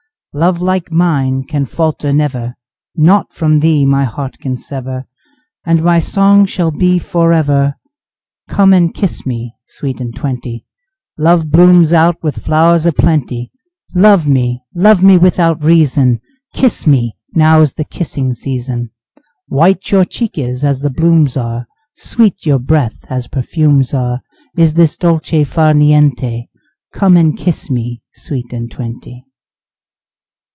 Love like mine can falter never Naught from thee my heart can sever And my song shall be forever: Come and kiss me sweet and twenty, Love blooms out with flowers a plenty, Love me, love me without reason, Kiss me, now's the kissing season, White your cheek is as the blooms are, Sweet your breath as perfumes are, Is this dolce far niente, Come and kiss me sweet and twenty.